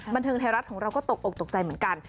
บันเทิงไทยรัฐของเราก็ตกอกตกใจเหมือนกัน